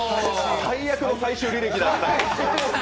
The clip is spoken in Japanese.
最悪の最終履歴だった。